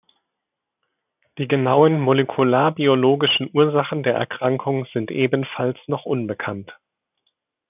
Die genauen molekularbiologischen Ursachen der Erkrankung sind ebenfalls noch unbekannt.